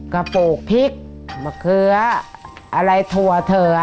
กระปลูกพริกมะเคลืออะไรถั่วเถื่อ